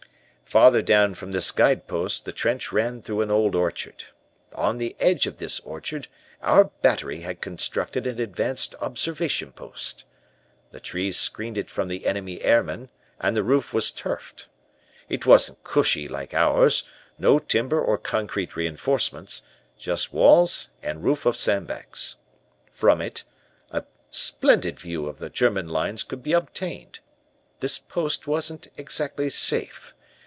"Farther down from this guide post the trench ran through an old orchard. On the edge of this orchard our battery had constructed an advanced observation post. The trees screened it from the enemy airmen and the roof was turfed. It wasn't cushy like ours, no timber or concrete reinforcements, just walls and roof of sandbags. From it, a splendid view of the German lines could be obtained. This post wasn't exactly safe.